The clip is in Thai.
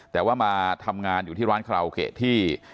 แต่ว่ามาทำงานอยู่ที่ร้านคาราโอเกะที่